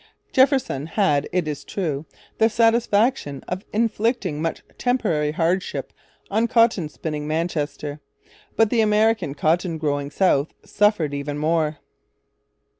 Jefferson had, it is true, the satisfaction of inflicting much temporary hardship on cotton spinning Manchester. But the American cotton growing South suffered even more.